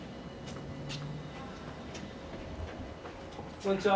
こんにちは。